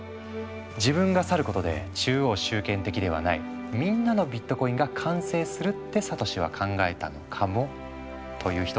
「自分が去ることで中央集権的ではないみんなのビットコインが完成する」ってサトシは考えたのかもという人もいるんだ。